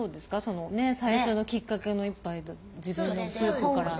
そのね最初のきっかけの１杯で自分のスープから。